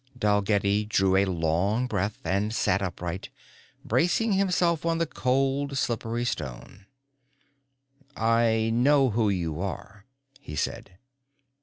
Dalgetty drew a long breath and sat upright, bracing himself on the cold slippery stone. "I know who you are," he said.